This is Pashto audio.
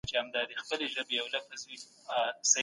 که ماشومان نه وای پوښتني به نه وې.